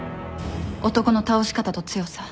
男の倒し方と強さ。